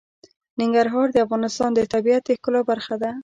ننګرهار د افغانستان د طبیعت د ښکلا برخه ده.